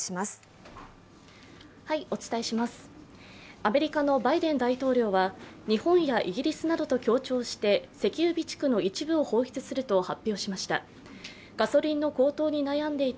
アメリカのバイデン大統領は、日本やイギリスなどと協調して石油備蓄の一部を放出すると発表しました。